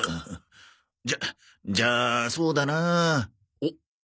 じゃじゃあそうだなあ。おっ。